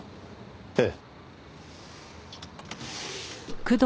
ええ。